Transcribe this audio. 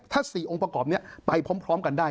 ถ้า๔องค์ประกอบนี้ไปพร้อมกันได้